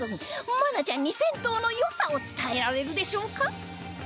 愛菜ちゃんに銭湯の良さを伝えられるでしょうか？